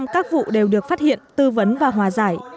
một trăm linh các vụ đều được phát hiện tư vấn và hòa giải